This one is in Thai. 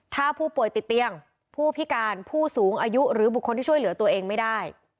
ถ้าผู้ป่วยติดเตียงผู้พิการผู้สูงอายุหรือบุคคลที่ช่วยเหลือตัวเองไม่ได้